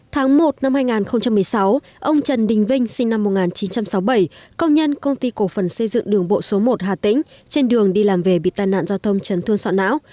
tháng một năm hai nghìn một mươi sáu ông trần đình vinh sinh năm một nghìn chín trăm sáu mươi bảy công nhân công ty cổ phần xây dựng đường bộ số một hà tĩnh trên đường đi làm về bị tai nạn giao thông chấn thương sọ não